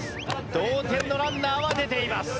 同点のランナーは出ています。